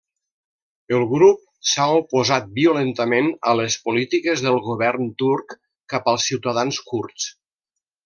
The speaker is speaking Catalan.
El grup s'ha oposat violentament a les polítiques del govern turc cap als ciutadans kurds.